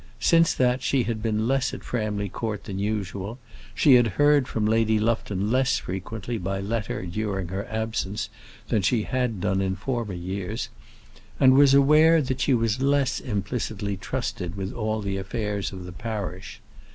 Since that she had been less at Framley Court than usual; she had heard from Lady Lufton less frequently by letter during her absence than she had done in former years, and was aware that she was less implicitly trusted with all the affairs of the parish.